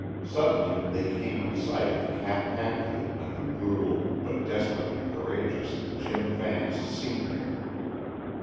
Suddenly they came in sight of Cap Hatfield and the brutal, but desperately courageous Jim Vance, Sr.